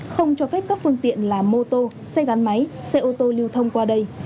không cho phép các phương tiện là mô tô xe gắn máy xe ô tô lưu thông qua đây